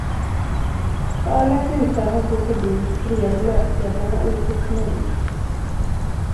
På alla knutar hon for förbi skriade löpsedlarna ut ett mord.